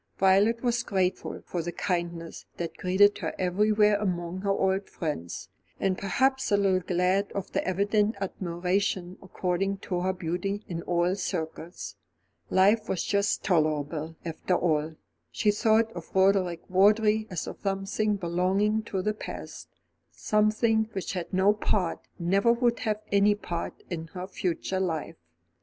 Violet was grateful for the kindness that greeted her everywhere among her old friends, and perhaps a little glad of the evident admiration accorded to her beauty in all circles. Life was just tolerable, after all. She thought of Roderick Vawdrey as of something belonging to the past; something which had no part, never would have any part, in her future life.